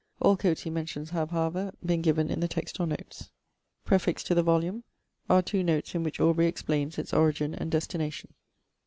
All coats he mentions have, however, been given in the text or notes. Prefixed to the volume are two notes in which Aubrey explains its origin and destination.